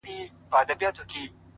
گوره ځوانـيمـرگ څه ښـه وايــي ـ